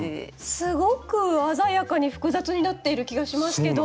すごく鮮やかに複雑になっている気がしますけど。